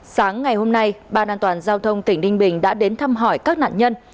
sáng ngày hôm nay ban an toàn giao thông tỉnh ninh bình đã đến thăm hỏi các nạn nhân